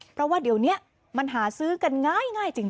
เพราะว่าเดี๋ยวนี้มันหาซื้อกันง่ายจริง